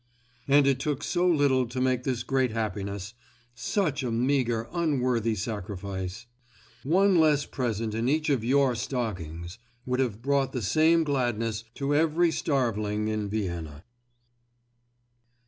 And it took so little to make this great happiness—such a meagre, unworthy sacrifice. One less present in each of your stockings would have brought the same gladness to every starveling in Vienna.